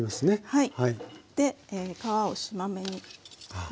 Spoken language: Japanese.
はい。